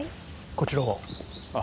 こちらは？